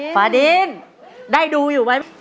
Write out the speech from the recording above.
ฟาดินได้ดูอยู่ไหม